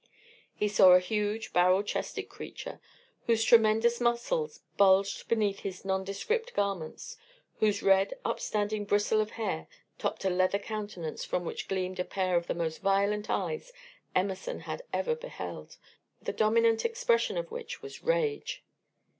He saw a huge, barrel chested creature whose tremendous muscles bulged beneath his nondescript garments, whose red, upstanding bristle of hair topped a leather countenance from which gleamed a pair of the most violent eyes Emerson had ever beheld, the dominant expression of which was rage.